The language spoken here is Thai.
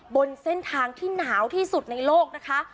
บนเส้นทางที่หนาวที่สุดในโลกนะคะ